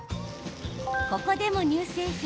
ここでも乳製品。